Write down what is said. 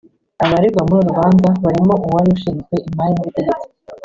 Abaregwa muri uru rubanza barimo uwari ushinzwe Imari n’Ubutegetsi